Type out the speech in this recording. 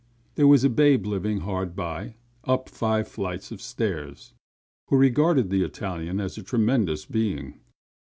There was a babe living hard by, up five flights of stairs, who regarded this Italian as a tremendous being.